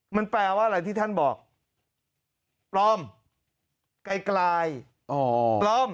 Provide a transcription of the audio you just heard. มันแปลว่าอะไรที่ท่านบอกปลอมไกลปลอม